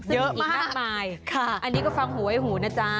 อีกมากมายอันนี้ก็ฟังหูไว้หูนะจ๊ะ